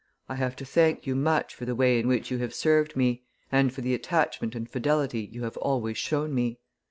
I have to thank you much for the way in which you have served me, and for the attachment and fidelity you have always shown me.